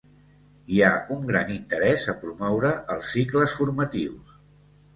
Hi ha un gran interès a promoure els cicles formatius.